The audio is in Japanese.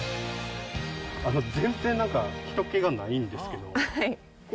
全然なんか、ひと気がないんですけど。